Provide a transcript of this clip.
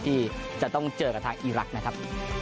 ที่จะต้องเจอกับทางอีรักษ์